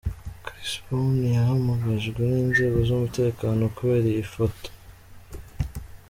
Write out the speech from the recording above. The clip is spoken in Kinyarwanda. Chris Brown yahamagajwe n’inzego z’umutekano kubera iyi foto.